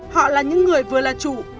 họ là những người vừa là chủ